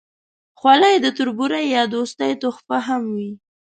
خولۍ د تربورۍ یا دوستۍ تحفه هم وي.